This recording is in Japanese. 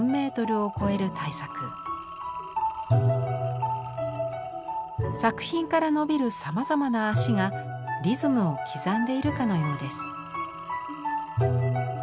作品から伸びるさまざまな足がリズムを刻んでいるかのようです。